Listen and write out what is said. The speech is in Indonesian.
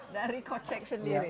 dari kocek sendiri